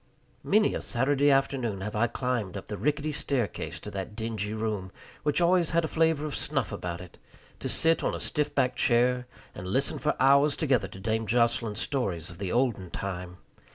Many a Saturday afternoon have I climbed up the rickety staircase to that dingy room, which always had a flavor of snuff about it, to sit on a stiff backed chair and listen for hours together to Dame Jocelyn's stories of the olden time.